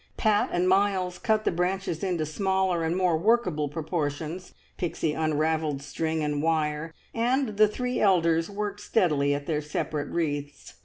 Pat and Miles cut the branches into smaller and more workable proportions. Pixie unravelled string and wire, and the three elders worked steadily at their separate wreaths.